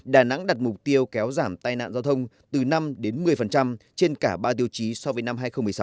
đà nẵng đặt mục tiêu kéo giảm tai nạn giao thông từ năm đến một mươi trên cả ba tiêu chí so với năm hai nghìn một mươi sáu